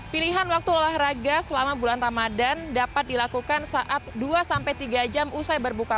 pilihan waktu olahraga selama tiga puluh sampai enam puluh menit saja